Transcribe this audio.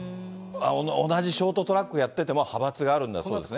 同じショートトラックやってても派閥があるんだそうですね。